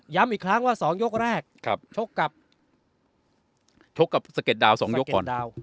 ย้ำอีกครั้งว่าสองยกแรกครับชกกับชกกับสะเก็ดดาวน์สองยกก่อนสะเก็ดดาวน์